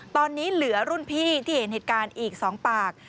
ตอนนี้เหลือรุ่นพี่ที่เห็นเหตุการณ์อีก๒ปาก